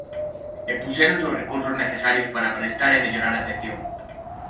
E puxéronse os recursos necesarios para prestar e mellorar a atención.